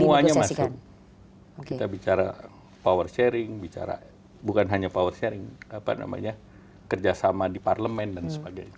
semuanya masih kita bicara power sharing bicara bukan hanya power sharing apa namanya kerjasama di parlemen dan sebagainya